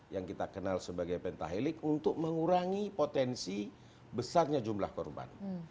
yang kita kenal sebagai pentahelik untuk mengurangi potensi besarnya jumlah korban